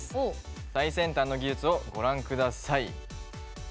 最先端の技術をご覧ください。